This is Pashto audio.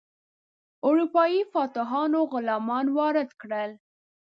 اروپایي فاتحانو غلامان وارد کړل.